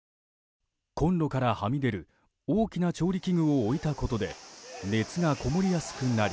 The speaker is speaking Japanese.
コンロからはみ出る大きな調理器具を置いたことで熱がこもりやすくなり。